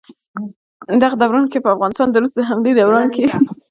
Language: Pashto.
دغه دوران کښې په افغانستان د روس د حملې دوران کښې